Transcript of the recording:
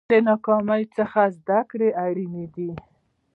د ناکامیو څخه زده کړه اړینه ده.